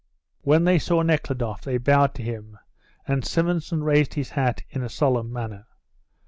When they saw Nekhludoff they bowed to him, and Simonson raised his hat in a solemn manner.